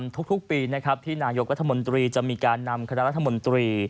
ทุกปีนะครับที่นายกรัฐมนตรีจะมีการนำคณะรัฐมนตรี